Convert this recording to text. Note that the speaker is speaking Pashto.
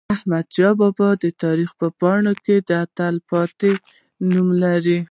احمدشاه بابا د تاریخ په پاڼو کې تلپاتې نوم لري.